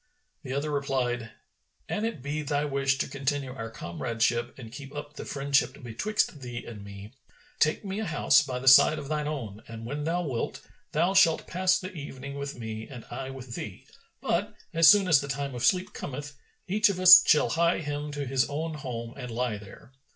The other replied, "An it be thy wish to continue our comradeship and keep up the friendship betwixt thee and me, take me a house by the side of thine own and when thou wilt, thou shalt pass the evening with me and I with thee; but, as soon as the time of sleep cometh, each of us shall hie him to his own home and lie there."